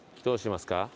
どうしますか？